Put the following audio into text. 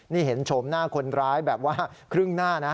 นี่เห็นโฉมหน้าคนร้ายแบบว่าครึ่งหน้านะ